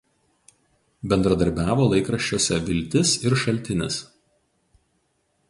Bendradarbiavo laikraščiuose „Viltis“ ir „Šaltinis“.